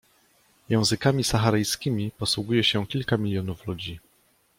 Językami saharyjskimi posługuje się kilka milionów ludzi.